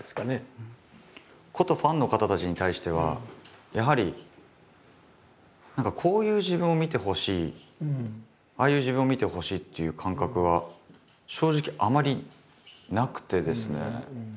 ことファンの方たちに対してはやはり何かこういう自分を見てほしいああいう自分を見てほしいっていう感覚は正直あまりなくてですね。